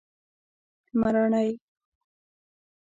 مراڼی